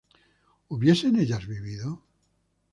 ¿hubiesen ellas vivido?